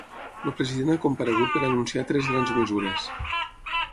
El president ha comparegut per a anunciar tres grans mesures.